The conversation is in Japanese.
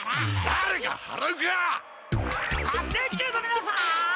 合戦中のみなさん！